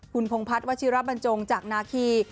คุณพงพัฒน์วัชิระบรรจงจากนาคี